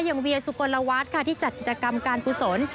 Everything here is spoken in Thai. อย่างเวียสุโกนลวาสค่ะที่จัดกิจกรรมการภูสล